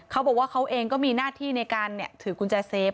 เขาบอกว่าเขาเองก็มีหน้าที่ในการถือกุญแจเซฟ